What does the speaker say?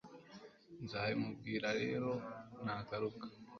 Nzabimubwira rero nagaruka